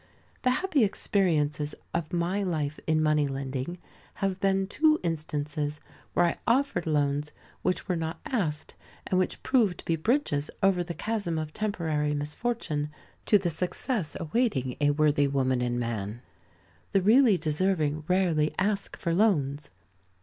The happy experiences of my life in money lending, have been two instances where I offered loans which were not asked, and which proved to be bridges over the chasm of temporary misfortune, to the success awaiting a worthy woman and man. The really deserving rarely ask for loans.